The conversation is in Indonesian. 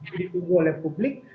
jadi tunggu oleh publik